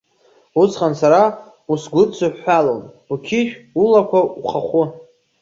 Усҟан сара усгәыдсыҳәҳәалон, уқьышә, улақәа, ухахәы.